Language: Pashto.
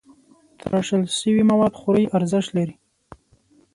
تراشل شوي مواد خوري ارزښت لري.